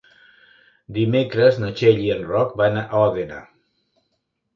Dimecres na Txell i en Roc van a Òdena.